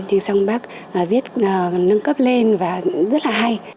trên song bác viết nâng cấp lên và rất là